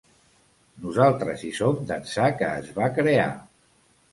Nosaltres hi som d’ençà que es va crear.